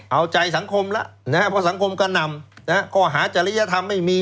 เอาใจสังคมละได้เข้าสังคมก็นำก่อหาเจริยธรรมไม่มี